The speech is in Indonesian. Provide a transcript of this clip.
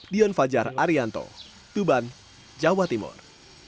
dion fajar arianto tuban jawa timur